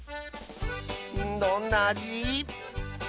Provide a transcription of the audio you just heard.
どんなあじ？